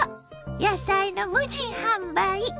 野菜の無人販売。